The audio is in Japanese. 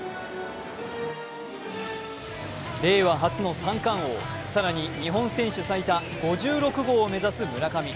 令和初の三冠王、更に日本選手最多５６号を目指す村上。